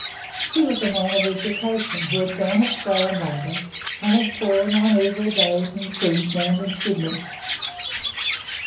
He was a man of education who had gone astray in London, and had fallen on evil days in Queensland and Sydney.